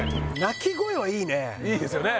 いいですよね